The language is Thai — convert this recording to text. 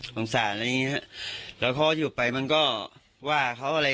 ปังสารครับก็อยู่ไปมันก็ว่าเขาอะไร